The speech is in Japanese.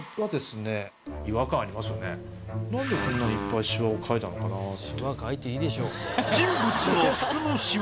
なんでこんなにいっぱいシワを描いたのかなって。